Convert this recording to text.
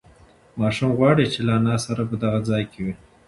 ماشوم غواړي چې له انا سره په دغه ځای کې وي.